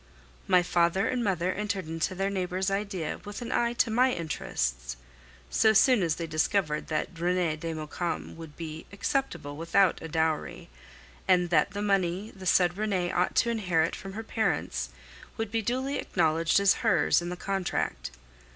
My father and mother entered into their neighbor's idea with an eye to my interests so soon as they discovered that Renee de Maucombe would be acceptable without a dowry, and that the money the said Renee ought to inherit from her parents would be duly acknowledged as hers in the contract.